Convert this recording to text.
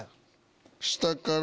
下から。